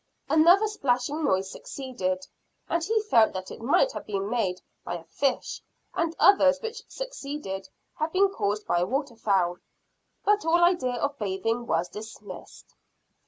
Another splashing noise succeeded, and he felt that it might have been made by a fish, and others which succeeded have been caused by waterfowl. But all idea of bathing was dismissed.